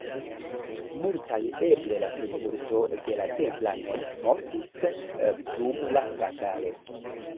Multaj, eble la plejmulto de la templanoj mortis dum la batalo.